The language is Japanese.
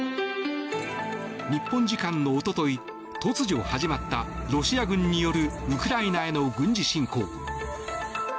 日本時間のおととい突如始まったロシア軍によるウクライナへの軍事侵攻。